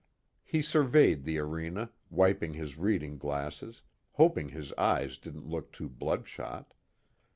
He surveyed the arena, wiping his reading glasses, hoping his eyes didn't look too bloodshot.